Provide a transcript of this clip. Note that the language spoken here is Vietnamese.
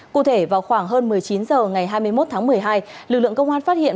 cụ thể vào khoảng hơn một mươi chín h ngày hai mươi một tháng một mươi hai lực lượng công an phát hiện